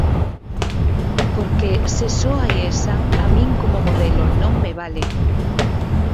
Porque, se só hai esa, a min como modelo non me vale.